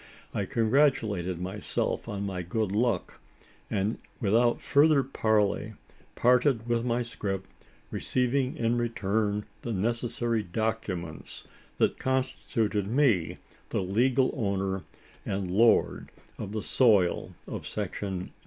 I congratulated myself on my good luck; and, without further parley, parted with my scrip receiving in return the necessary documents, that constituted me the legal owner and lord of the soil of Section 9.